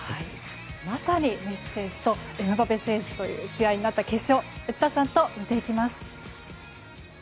まさにメッシ選手とエムバペ選手の試合になった決勝を内田さんと見ていきます。